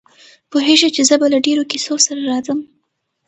پوهېږي چې زه به له ډېرو کیسو سره راځم.